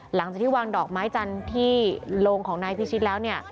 หลังจากที่นำหน่อยจันทร์ที่โรงพิชิทธิ์แล้ว